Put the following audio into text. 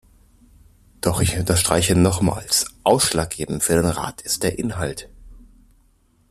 Doch ich unterstreiche nochmals, ausschlaggebend für den Rat ist der Inhalt.